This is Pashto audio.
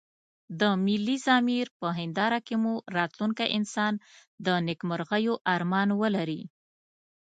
د ملي ضمير په هنداره کې مو راتلونکی انسان د نيکمرغيو ارمان ولري.